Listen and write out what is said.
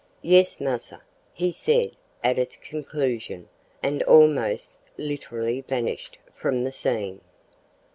"Yes, massa," he said at its conclusion, and almost literally vanished from the scene.